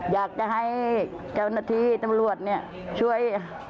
อยากจะให้การณฐีน้ำอ่วดเนี่ย